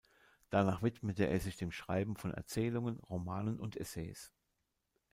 Danach widmete er sich dem Schreiben von Erzählungen, Romanen und Essays.